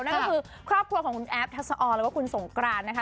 นั่นก็คือครอบครัวของคุณแอฟทัศออนแล้วก็คุณสงกรานนะคะ